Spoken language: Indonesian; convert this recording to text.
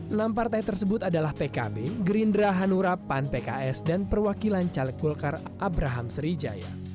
enam partai tersebut adalah pkb gerindra hanura pan pks dan perwakilan caleg golkar abraham sriwijaya